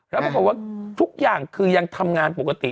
แล้วปรากฏว่าทุกอย่างคือยังทำงานปกติ